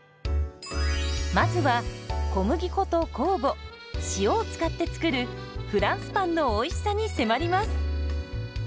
まずは小麦粉と酵母塩を使って作るフランスパンのおいしさに迫ります。